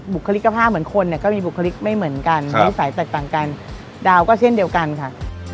บุคลิกภาพเหมือนคนเนี่ยก็มีบุคลิกไม่เหมือนกันนิสัยแตกต่างกันดาวก็เช่นเดียวกันค่ะ